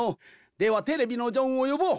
ではテレビのジョンをよぼう。